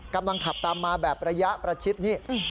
กำลังขับตามมาแบบระยะประชิดนี่